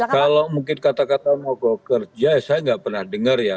kalau mungkin kata kata mau bekerja saya nggak pernah dengar ya